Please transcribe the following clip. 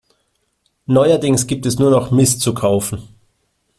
Neuerdings gibt es nur noch Mist zu kaufen.